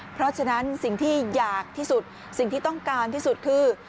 เพราะฉะนั้นสิ่งที่อยากที่สุดสิ่งที่ต้องการที่สุดคือ